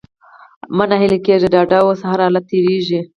مه ناهيلی کېږه! ډاډه اوسه! هرحالت تېرېږي.